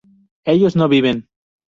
ellos no viven